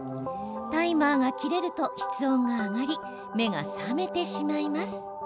タイマーが切れると室温が上がり目が覚めてしまいます。